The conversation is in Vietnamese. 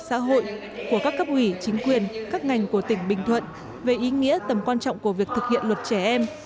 xã hội của các cấp ủy chính quyền các ngành của tỉnh bình thuận về ý nghĩa tầm quan trọng của việc thực hiện luật trẻ em